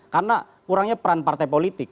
karena kurangnya peran partai politik